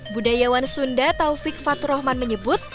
budayawan sunda taufik fatur rahman menyebut